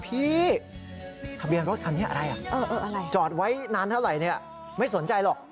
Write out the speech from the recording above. พี่ทะเบียนรถคันนี้อะไรจอดไว้นานเท่าไหร่ไม่สนใจหรอก